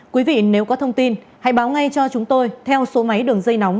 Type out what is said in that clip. quý vị nếu có thông tin hãy báo ngay cho chúng tôi theo số máy đường dây nóng